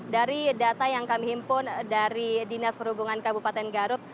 dari data yang kami himpun dari dinas perhubungan kabupaten garut